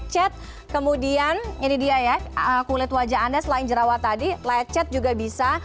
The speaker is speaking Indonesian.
cet kemudian ini dia ya kulit wajah anda selain jerawat tadi lecet juga bisa